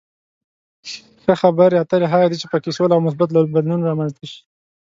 ښه خبرې اترې هغه دي چې په کې سوله او مثبت بدلون رامنځته شي.